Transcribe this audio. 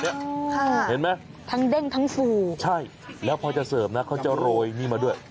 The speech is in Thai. เห็นไหมใช่แล้วพอจะเสิร์ฟนะคอยจะโรยนี่มาด้วย